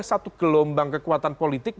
satu gelombang kekuatan politik